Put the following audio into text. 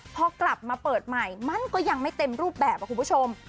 พอกลับมาเปิดใหม่มันก็ยังไม่เต็มรูปแบบคุณผู้ชม